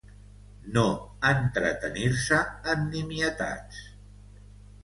No entretenir-se en nimietats.